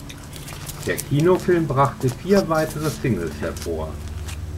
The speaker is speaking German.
Der Kinofilm brachte vier weitere Singles hervor.